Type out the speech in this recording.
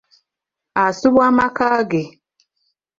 Asubwa amaka ge.